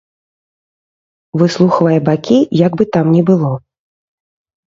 Выслухвае бакі, як бы там ні было.